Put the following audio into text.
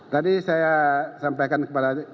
tadi saya sampaikan kepada